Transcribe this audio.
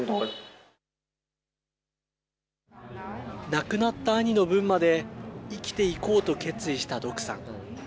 亡くなった兄の分まで生きていこうと決意したドクさん。